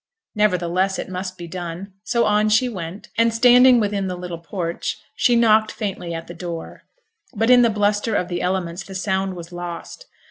Nevertheless, it must be done; so on she went, and standing within the little porch, she knocked faintly at the door; but in the bluster of the elements the sound was lost.